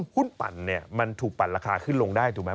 ปั่นเนี่ยมันถูกปั่นราคาขึ้นลงได้ถูกไหม